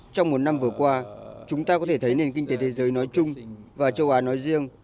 trong một năm vừa qua chúng ta có thể thấy nền kinh tế thế giới nói chung và châu á nói riêng